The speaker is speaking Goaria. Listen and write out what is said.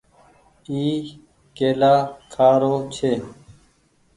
اي ڪيلآ کآ رو ڇي۔